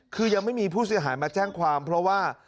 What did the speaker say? คือยังไม่มีผู้เสียหายมาแจ้งความเพราะว่า